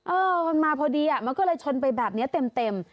เออมันมาพอดีอ่ะมันก็เลยชนไปแบบนี้เต็ม